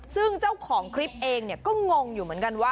ซึ่งเจ้าของคลิปเองก็งงอยู่เหมือนกันว่า